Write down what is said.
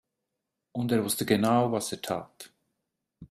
Und er wusste genau, was er tat.